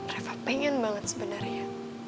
reva pengen banget sebenarnya